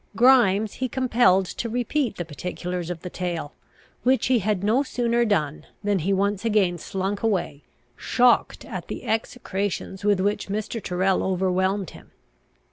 Grimes he compelled to repeat the particulars of the tale; which he had no sooner done, than he once again slunk away, shocked at the execrations with which Mr. Tyrrel overwhelmed him.